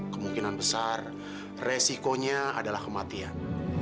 kemungkinan besar resikonya adalah kematian